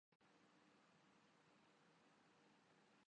وہ یہ کر چکے ہیں۔